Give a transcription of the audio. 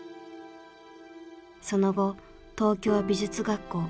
その後東京美術学校